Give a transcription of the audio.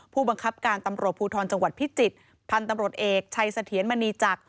ผู้บังคับการตำรวจภูทรจังหวัดพิจิตรพันธุ์ตำรวจเอกชัยเสถียรมณีจักร